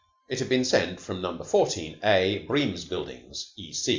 It had been sent from No. 18 A Bream's Buildings, E.